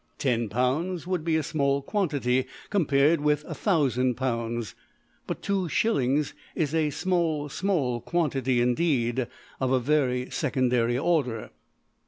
Ten pounds would be a small quantity compared with £$1000$; but two shillings is a small small quantity indeed, of a very secondary order.